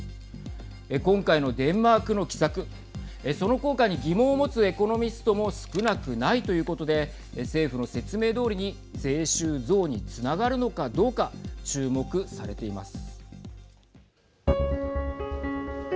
今回のデンマークの奇策その効果に疑問を持つエコノミストも少なくないということで政府の説明どおりに税収増につながるのかどうか注目されています。